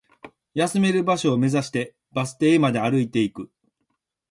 休める場所を目指して、バス停まで歩いていく